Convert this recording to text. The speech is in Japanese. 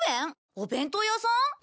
お弁当屋さん？